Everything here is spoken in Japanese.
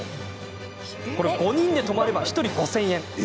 ５人で泊まれば、１人５０００円。